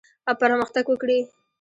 او پرمختګ وکړي.